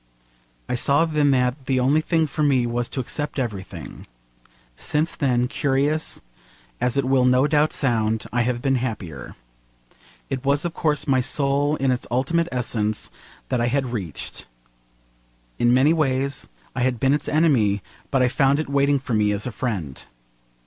I saw then that the only thing for me was to accept everything. Since then curious as it will no doubt sound I have been happier. It was of course my soul in its ultimate essence that I had reached. In many ways I had been its enemy, but I found it waiting for me as a friend.